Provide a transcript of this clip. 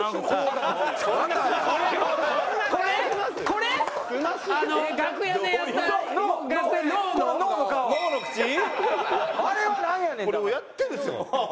これをやってるんですよ。